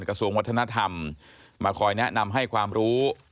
กระทรวงวัฒนธรรมมาคอยแนะนำให้ความรู้